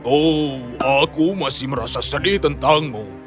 oh aku masih merasa sedih tentangmu